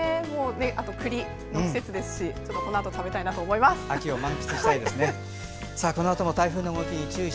あとは、栗の季節ですしこのあと食べたいなと思います。